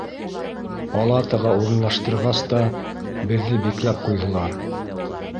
Палатаға урынлаштырғас та беҙҙе бикләп ҡуйҙылар.